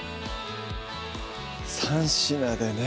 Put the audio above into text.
３品でね